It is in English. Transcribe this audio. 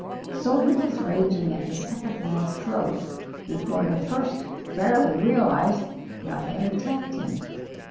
So he was raging at the second man's throat before the first fairly realised what had attacked him.